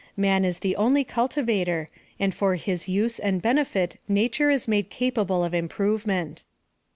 Man ia the only cultivator, and for his use and benefit nature is made capable of improvement.